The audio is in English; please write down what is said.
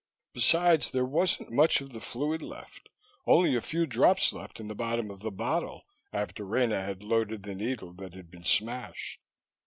Besides, there wasn't much of the fluid left, only the few drops left in the bottom of the bottle after Rena had loaded the needle that had been smashed.